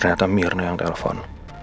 ternyata mirna yang telepon